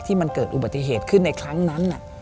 มันเกิดอุบัติเหตุขึ้นในครั้งนั้น